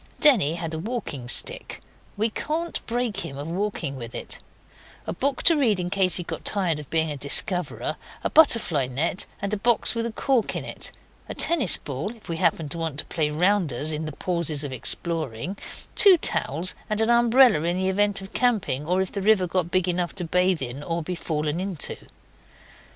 Denny had a walking stick we can't break him of walking with it a book to read in case he got tired of being a discoverer, a butterfly net and a box with a cork in it, a tennis ball, if we happened to want to play rounders in the pauses of exploring, two towels and an umbrella in the event of camping or if the river got big enough to bathe in or to be fallen into.